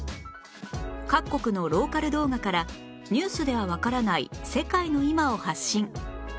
各国のローカル動画からニュースではわからない世界の今を発信